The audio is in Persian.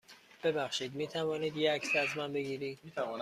ببخشید، می توانید یه عکس از من بگیرید؟